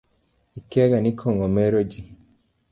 Ikiaga ni kong'o meroji.